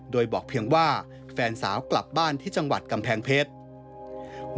โดยบอกเพียงว่าแฟนสาวกลับบ้านที่จังหวัดกำแพงเพชร